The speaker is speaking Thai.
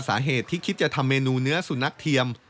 สาเหตุที่คิดจะทำเมนูเนื้อสุนัขเทียม